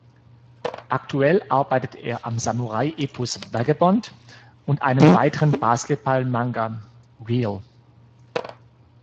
Aktuell arbeitet er am Samurai-Epos "Vagabond" und einem weiteren Basketball-Manga, "Real".